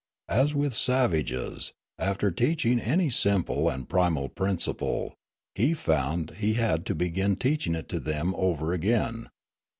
As with savages, after teaching any simple and primal principle, he found he had to begin teaching it to them over again.